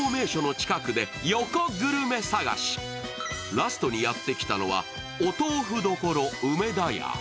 ラストにやってきたのはお豆ふ処うめだ屋。